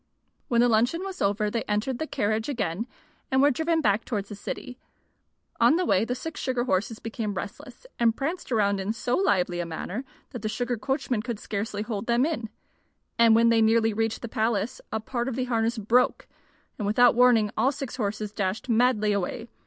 When the luncheon was over, they entered the carriage again and were driven back towards the city. On the way the six sugar horses became restless, and pranced around in so lively a manner that the sugar coachman could scarcely hold them in. And when they had nearly reached the palace a part of the harness broke, and without warning all six horses dashed madly away.